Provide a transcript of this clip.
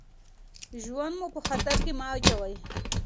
ژوند مو په خطر کې مه اچوئ.